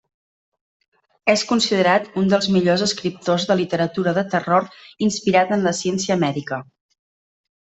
És considerat un dels millors escriptors de literatura de terror inspirat en la ciència mèdica.